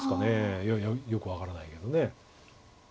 いやいやよく分からないけど。